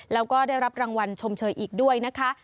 แล้วก็ได้รับรางวัลชมเชยอีกด้วยนะคะ